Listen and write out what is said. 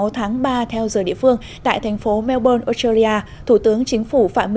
sáu tháng ba theo giờ địa phương tại thành phố melbourne australia thủ tướng chính phủ